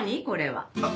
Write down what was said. これは。